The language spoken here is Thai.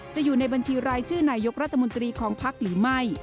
อยู่ในบัญชีรายชื่อนายกรัฐมนตรีของภักดิ์หรือไม่